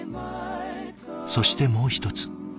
そしてもう一つ。